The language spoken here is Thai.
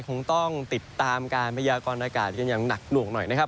คงต้องติดตามการพยากรณ์อากาศยังหนักลวงหน่อยนะครับ